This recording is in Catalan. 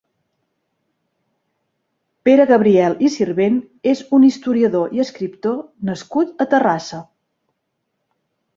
Pere Gabriel i Sirvent és un historiador i escriptor nascut a Terrassa.